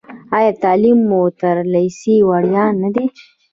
آیا تعلیم هم تر لیسې وړیا نه دی؟